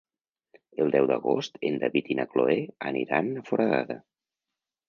El deu d'agost en David i na Cloè aniran a Foradada.